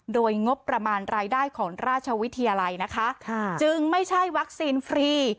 โดยงบประมาณรายได้ของราชวิทยาลัยนะคะจึงไม่ใช่วัคซีนฟรี